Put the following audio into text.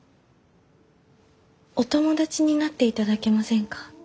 お友達になっていただけませんか？